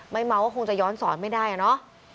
ไม่ม้าว่าคงจะย้อนสอนไม่ได้เนอะ